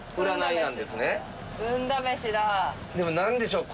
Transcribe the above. でもなんでしょう。